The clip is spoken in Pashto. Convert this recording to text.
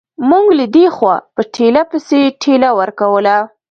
موږ له دې خوا په ټېله پسې ټېله ورکوله.